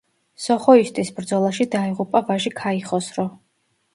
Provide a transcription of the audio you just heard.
სოხოისტის ბრძოლაში დაეღუპა ვაჟი ქაიხოსრო.